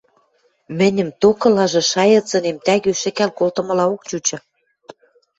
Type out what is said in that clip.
Мӹньӹм токылажы шайыцынем тӓгӱ шӹкӓл колтымылаок чучы.